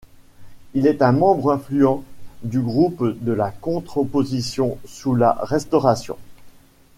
Il est un membre influent du groupe de la contre-opposition sous la Restauration.